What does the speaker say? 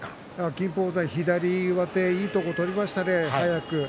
金峰山、左上手いいところ取りましたね、速く。